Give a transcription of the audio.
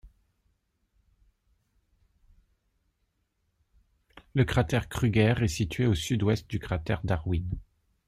Le cratère Crüger est situé au sud-ouest du cratère Darwin.